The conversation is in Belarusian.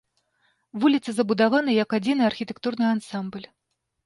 Вуліца забудавана як адзіны архітэктурны ансамбль.